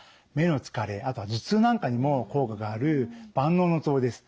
あとは頭痛なんかにも効果がある万能のツボです。